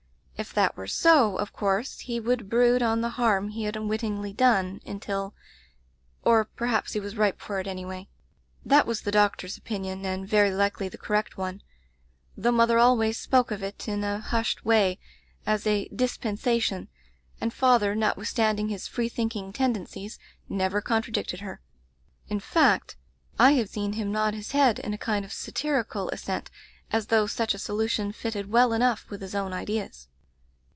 If that were so, of course he would brood on the harm he had unwittingly done, until — or perhaps he was ripe for it anyway. That was the doc tor's opinion, and very likely the correct one, though mother always spoke of it in a hushed way as a 'dispensation,* and father, notwithstanding his free thinking tendencies, never contradicted her. In fact, I have seen [ 103 ] Digitized by LjOOQ IC r Interventions him nod his head in a kind of satirical as sent, as though such a solution fitted well enough with his own ideas.